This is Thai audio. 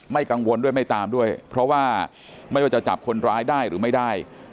กังวลด้วยไม่ตามด้วยเพราะว่าไม่ว่าจะจับคนร้ายได้หรือไม่ได้